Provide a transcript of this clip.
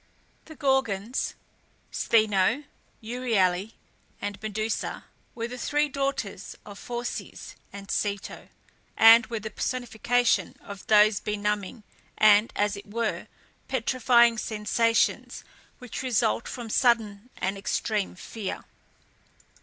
The Gorgons, Stheno, Euryale, and Medusa, were the three daughters of Phorcys and Ceto, and were the personification of those benumbing, and, as it were, petrifying sensations, which result from sudden and extreme fear.